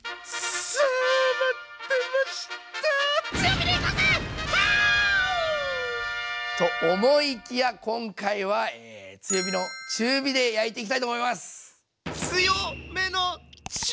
ワーオ！と思いきや今回は強めの中火で焼いていきたいと思います。